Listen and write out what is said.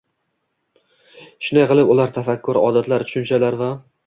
Shunday qilib, ular tafakkur, odatlar, tushunchalar va